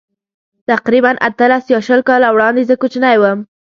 تقریباً اتلس یا شل کاله وړاندې زه کوچنی وم.